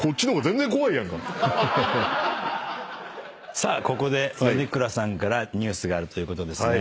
さあここで米倉さんからニュースがあるということですね。